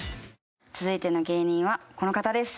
続いての芸人はこの方です。